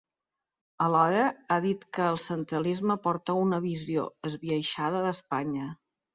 Alhora ha dit que el centralisme porta a una “visió esbiaixada d’Espanya”.